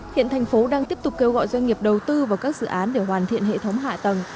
hiện thành phố đang tiếp tục kêu gọi doanh nghiệp đầu tư vào các dự án để hoàn thiện hệ thống hạ tầng